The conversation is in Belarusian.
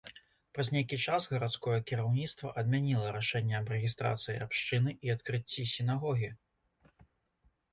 Праз нейкі час гарадское кіраўніцтва адмяніла рашэнне аб рэгістрацыі абшчыны і адкрыцці сінагогі.